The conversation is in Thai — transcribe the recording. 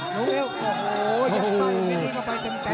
โอ้โหยัดไส้